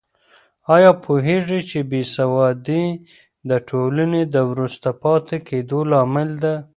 آیا پوهېږې چې بې سوادي د ټولنې د وروسته پاتې کېدو لامل ده؟